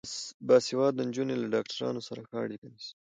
باسواده نجونې له ډاکټرانو سره ښه اړیکه نیسي.